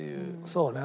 そうね。